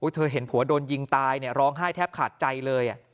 เธอเห็นผัวโดนยิงตายร้องไห้แทบขาดใจเลย